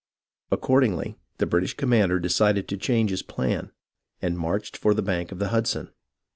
Accordingly, the British commander decided to change his plan, and marched for the bank of the Hudson.